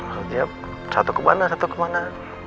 maksudnya satu ke mana satu ke mana